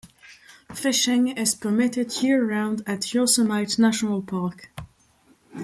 Fishing is permitted year-round at Yosemite National Park.